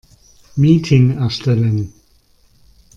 Meeting erstellen.